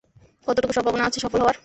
কতটুকু সম্ভাবনা আছে সফল হওয়ার?